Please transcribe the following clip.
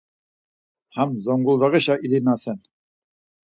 Ham Zunguldağişa ilinasen.